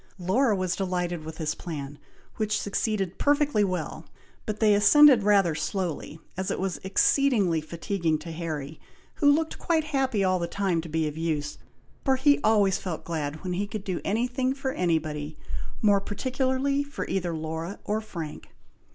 Laura was delighted with this plan, which succeeded perfectly well, but they ascended rather slowly, as it was exceedingly fatiguing to Harry, who looked quite happy all the time to be of use, for he always felt glad when he could do any thing for anybody, more particularly for either Laura or Frank.